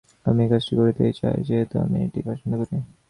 আমি এই কাজটি করিতে চাই, যেহেতু আমি এটি পচ্ছন্দ করি।